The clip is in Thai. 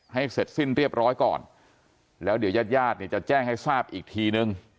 ให้เสร็จสิ้นเรียบร้อยก่อนแล้วเดี๋ยวยาดเนี่ยจะแจ้งให้ทราบอีกทีนึง